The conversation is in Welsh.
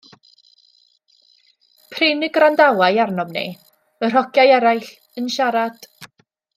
Prin y gwrandawai arnom ni, yr hogiau eraill, yn siarad.